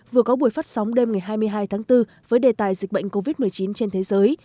vừa có buổi phát sóng đêm ngày hai mươi hai tháng bốn với đề tài dịch bệnh covid một mươi chín trên thế giới